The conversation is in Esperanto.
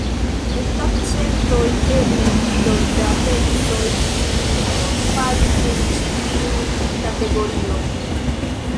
Estas centoj, eble miloj, da tekstoj, kiuj falis en ĉi tiun kategorion.